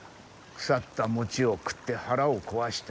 腐った餅を食って腹を壊した。